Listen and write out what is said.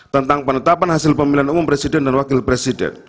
tentang penetapan hasil pemilihan umum presiden dan wakil presiden